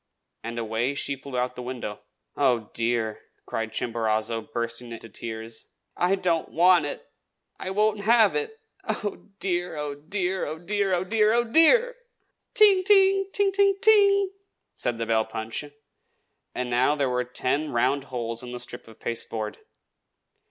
And away she flew out of the window. "Oh, dear!" cried Chimborazo, bursting into tears. "I don't want it! I won't have it! Oh, dear! oh, dear! oh, dear! oh, dear! oh, DEAR!!!" "Ting! ting! ting ting ting ting!" said the bell punch; and now there were ten round holes in the strip of pasteboard.